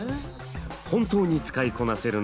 本当に使いこなせるのか